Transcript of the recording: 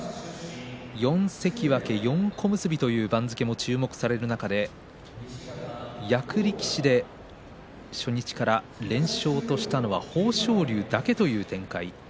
４関脇４小結も注目される中で役力士で初日から連勝したのは豊昇龍だけという展開。